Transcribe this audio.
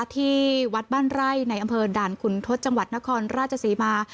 ที่วัดบ้านไร่ในอำเภอด่านขุนทศจังหวัดนครราชศรีมา